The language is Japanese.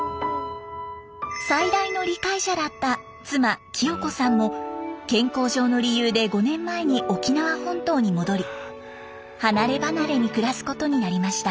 最大の理解者だった妻清子さんも健康上の理由で５年前に沖縄本島に戻り離れ離れに暮らすことになりました。